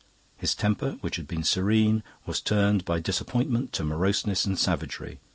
His temper, which had been serene, was turned by disappointment to moroseness and savagery.